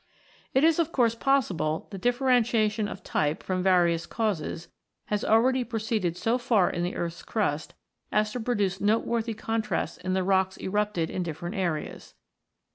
It is of course possible that differentiation of type, from various causes, has already proceeded so far in the earth's crust as to produce noteworthy contrasts in the rocks erupted in different areas.